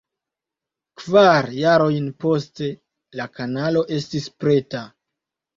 Kvar jarojn poste la kanalo estis preta.